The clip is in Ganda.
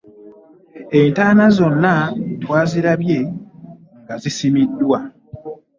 Entaana zonna twazirabye nga zisimiddwa.